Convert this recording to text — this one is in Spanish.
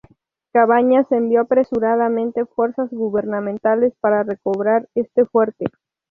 Cabañas envió apresuradamente fuerzas gubernamentales para recobrar este fuerte.